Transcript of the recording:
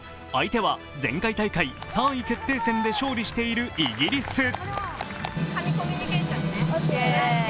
相手は、前回大会３位決定戦で勝利しているイギリス。